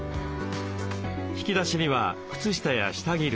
引き出しには靴下や下着類。